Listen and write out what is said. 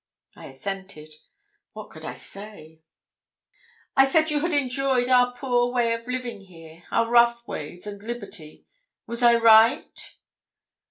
I assented. What could I say? 'I said you had enjoyed our poor way of living here our rough ways and liberty. Was I right?'